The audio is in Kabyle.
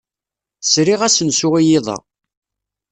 Sriɣ asensu i yiḍ-a.